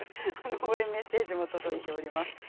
応援メッセージもきています。